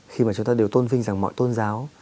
khi mà chúng ta đều tôn vinh rằng mọi tôn giáo